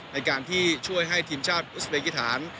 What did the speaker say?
ในการที่ช่วยให้ทีมชาติอุสเบกิฐาน